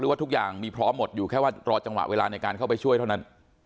ว่าทุกอย่างมีพร้อมหมดอยู่แค่ว่ารอจังหวะเวลาในการเข้าไปช่วยเท่านั้น